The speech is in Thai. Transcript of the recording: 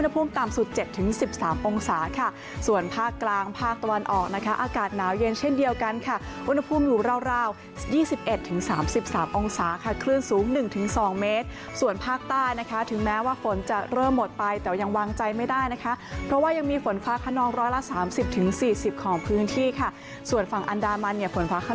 ภาคกลางภาคตะวันออกนะคะอากาศหนาวเย็นเช่นเดียวกันค่ะวนภูมิอยู่ราวราวยี่สิบเอ็ดถึงสามสิบสามองศาค่ะคลื่นสูงหนึ่งถึงสองเมตรส่วนภาคใต้นะคะถึงแม้ว่าฝนจะเริ่มหมดไปแต่ว่ายังวางใจไม่ได้นะคะเพราะว่ายังมีฝนฟ้าขนองร้อยละสามสิบถึงสี่สิบของพื้นที่ค่ะส่วนฝั่งอันดามันเนี่ย